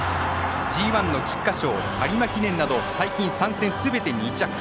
ＧＩの菊花賞、有馬記念など最近３戦すべて２着。